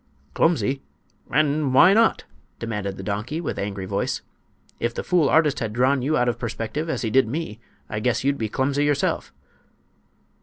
"Clumsy! And why not?" demanded the donkey, with angry voice. "If the fool artist had drawn you out of perspective, as he did me, I guess you'd be clumsy yourself."